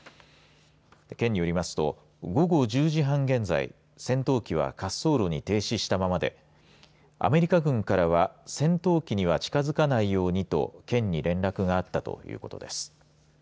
県によりますと午後１０時半現在戦闘機は滑走路に停止したままでアメリカ軍からは戦闘機には近づかないようにと県に連絡があったということです。